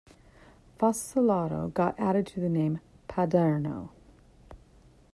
"Fasolaro" got added to the name Paderno.